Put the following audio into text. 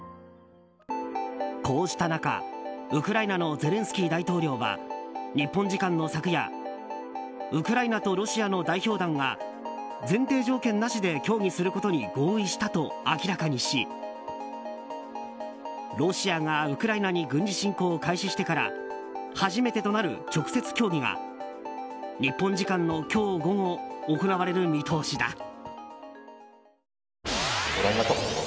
こうした中、ウクライナのゼレンスキー大統領は日本時間の昨夜ウクライナとロシアの代表団が前提条件なしで協議することに合意したと明らかにしロシアがウクライナに軍事侵攻を開始してから初めてとなる直接協議が日本時間の今日午後行われる見通しだ。